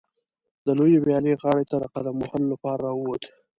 د لویې ویالې غاړې ته د قدم وهلو لپاره راووت.